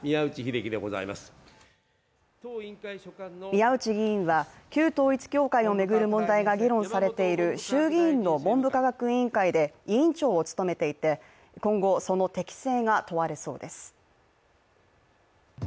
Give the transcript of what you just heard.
宮内議員は旧統一教会を巡る問題が議論されている衆議院の文部科学委員会で委員長を務めていて、今後、その適性が問われそうです。